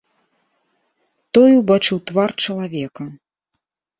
Той убачыў твар чалавека.